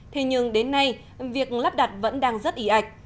thế nhưng đến nay việc lắp đặt vẫn đang rất ý ạch